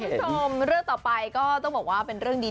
คุณผู้ชมเรื่องต่อไปก็ต้องบอกว่าเป็นเรื่องดี